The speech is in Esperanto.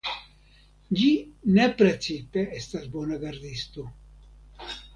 Ĝi ne precipe estas bona gardisto.